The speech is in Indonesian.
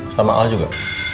sama al juga